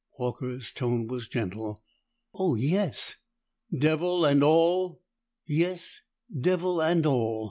Horker's tone was gentle. "Oh, yes!" "Devil and all?" "Yes devil and all!"